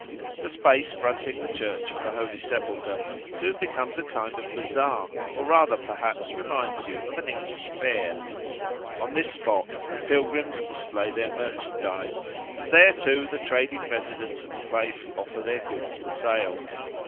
The space fronting the Church of the Holy Sepulchre soon becomes a kind of bazaar, or rather, perhaps, reminds you of an English fair. On this spot the pilgrims display their merchandise, and there too the trading residents of the place offer their goods for sale.